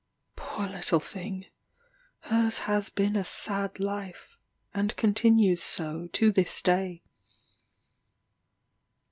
Poor little thing! her's has been a sad life, and continues so to this day.